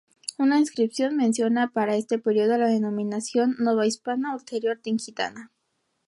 Una inscripción menciona para este periodo la denominación "Nova Hispania Ulterior Tingitana".